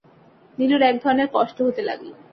নীলুর এক ধরনের কষ্ট হতে লাগল।